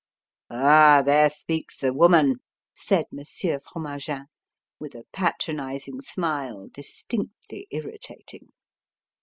"Ah, there speaks the woman!" said Monsieur Fromagin, with a patronizing smile distinctly irritating.